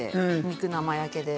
肉生焼けで。